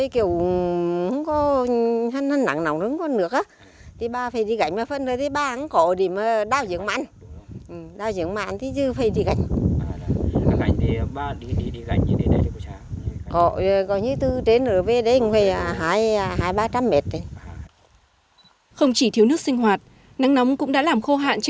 không chỉ thiếu nước sinh hoạt nắng nóng cũng đã làm khô hạn